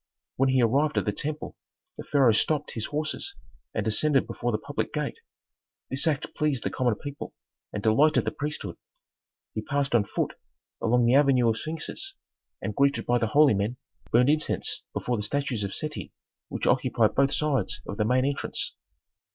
When he arrived at the temple the pharaoh stopped his horses and descended before the public gate. This act pleased the common people and delighted the priesthood. He passed on foot along the avenue of sphinxes and, greeted by the holy men, burned incense before the statues of Seti which occupied both sides of the main entrance.